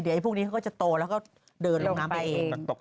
เดี๋ยวพวกนี้เขาก็จะโตแล้วก็เดินลงน้ำไปเอง